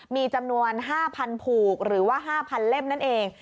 มีจำนวน๕๐๐๐ผูกหรือว่า๕๐๐เล่มนั่นเอง